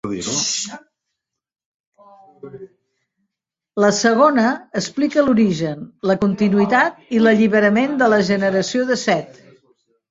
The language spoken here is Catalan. La segona explica l'origen, la continuïtat i l'alliberament de la generació de Set.